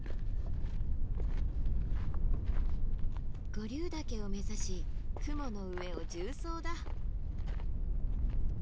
五竜岳を目指し雲の上を縦走だ。